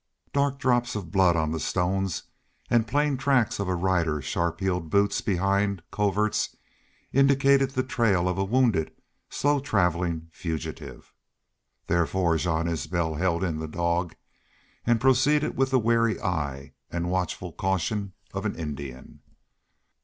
Dark drops of blood on the stones and plain tracks of a rider's sharp heeled boots behind coverts indicated the trail of a wounded, slow traveling fugitive. Therefore, Jean Isbel held in the dog and proceeded with the wary eye and watchful caution of an Indian.